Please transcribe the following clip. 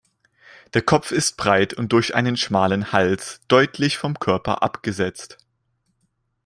Der Kopf ist breit und durch einen schmalen Hals deutlich vom Körper abgesetzt.